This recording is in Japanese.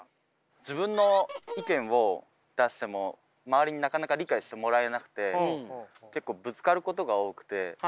自分の意見を出しても周りになかなか理解してもらえなくて結構ぶつかることが多くて。